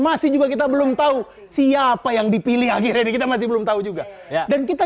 masih juga kita belum tahu siapa yang dipilih akhirnya kita masih belum tahu juga dan kita